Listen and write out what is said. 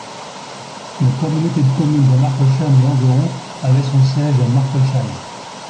La communauté de communes de Marckolsheim et environs avait son siège à Marckolsheim.